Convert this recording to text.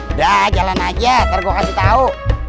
udah jalan aja ntar gue kasih tau